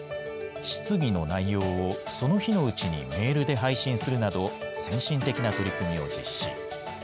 質疑の内容を、その日のうちにメールで配信するなど、先進的な取り組みを実施。